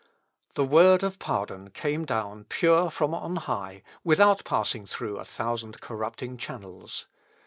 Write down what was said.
The word of pardon came down pure from on high, without passing through a thousand corrupting channels.